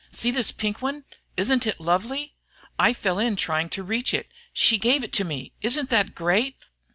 See, this pink one. Isn't it lovely? I fell in trying to reach it. She gave it to me isn't that great?